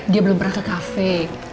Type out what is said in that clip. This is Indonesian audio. dia belum pernah ke kafe